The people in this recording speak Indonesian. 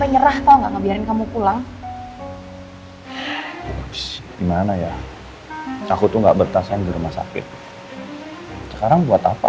jadi kamu bisa ngerawat aku